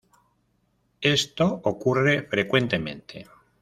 Esto ocurre frecuentemente.